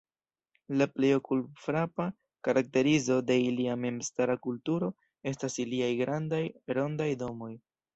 La plej okulfrapa karakterizo de ilia memstara kulturo estas iliaj grandaj, rondaj domoj.